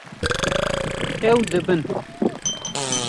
Ew dibin